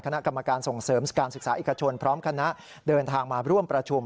คณะกรรมการส่งเสริมการศึกษาเอกชนพร้อมคณะเดินทางมาร่วมประชุม